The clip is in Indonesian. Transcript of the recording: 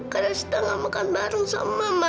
karena sita gak makan bareng sama mama